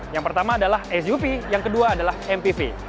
yang pertama adalah suv yang kedua adalah mpv